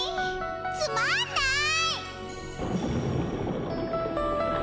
つまんない。